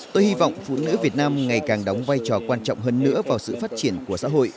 tôi hy vọng phụ nữ việt nam ngày càng đóng vai trò quan trọng hơn nữa vào sự phát triển của xã hội